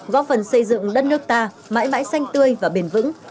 góp phần xây dựng đất nước ta mãi mãi xanh tươi và bền vững